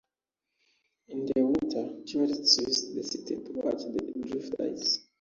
In the winter, tourists visit the city to watch the drift ice.